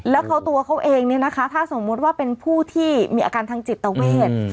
แล้วตัวเขาเองเนี่ยนะคะถ้าสมมุติว่าเป็นผู้ที่มีอาการทางจิตเวท